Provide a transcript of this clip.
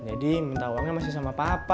jadi minta uangnya masih sama papa